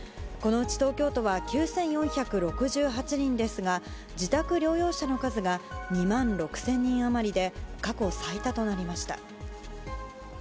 このうち東京都は９４６８人ですが自宅療養者の数が２万６０００人余りで過去最多となりました。